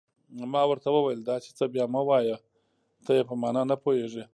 ما ورته وویل: داسې څه بیا مه وایه، ته یې په معنا نه پوهېږې.